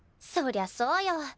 そりゃそうよ。